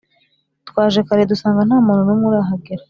Twaje kare dusanga ntamuntu numwe urahagera